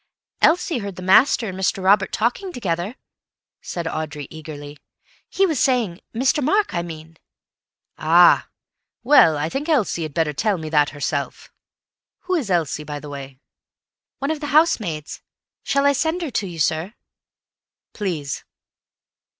"Elsie heard the master and Mr. Robert talking together," said Audrey eagerly. "He was saying—Mr. Mark, I mean—" "Ah! Well, I think Elsie had better tell me that herself. Who is Elsie, by the way?" "One of the housemaids. Shall I send her to you, sir?" "Please."